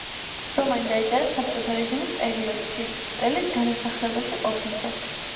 რომანი დაიწერა საბჭოთა რეჟიმის პერიოდში მწერლის გადასახლებაში ყოფნისას.